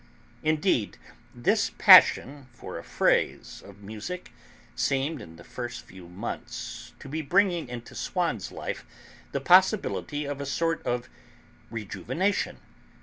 Indeed this passion for a phrase of music seemed, in the first few months, to be bringing into Swann's life the possibility of a sort of rejuvenation.